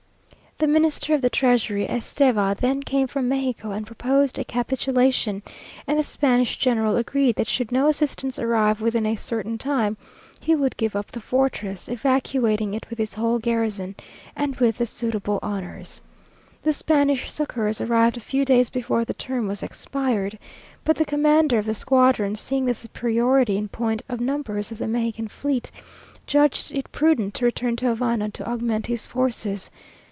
The Minister of the treasury, Esteva, then came from Mexico, and proposed a capitulation; and the Spanish general agreed that should no assistance arrive within a certain time, he would give up the fortress; evacuating it with his whole garrison, and with the suitable honours. The Spanish succours arrived a few days before the term was expired, but the commander of the squadron, seeing the superiority in point of numbers of the Mexican fleet, judged it prudent to return to Havana to augment his forces.